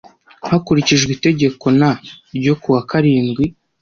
hakurikijwe itegeko n ryo kuwa karindwi